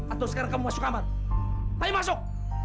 atau sekarang kamu masuk kamar tapi masuk